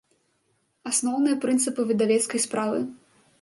Асноўныя прынцыпы выдавецкай справы